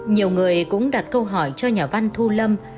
nhiều người cũng đặt câu hỏi cho nhà văn thu lâm